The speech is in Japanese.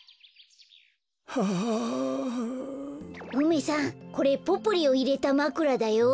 梅さんこれポプリをいれたまくらだよ。